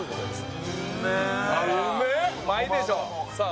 うまいでしょさあ